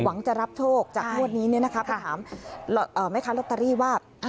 หวังจะรับโชคจากงวดนี้ไปถามแม่ค้าลอตเตอรี่ว่า